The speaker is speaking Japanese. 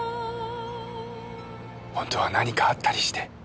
ほんとは何かあったりして。